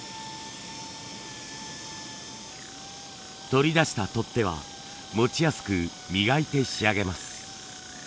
取り出した取っ手は持ちやすく磨いて仕上げます。